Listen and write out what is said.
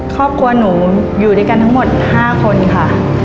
ครอบครัวหนูอยู่ด้วยกันทั้งหมด๕คนค่ะ